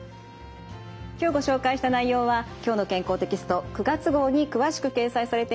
今日ご紹介した内容は「きょうの健康」テキスト９月号に詳しく掲載されています。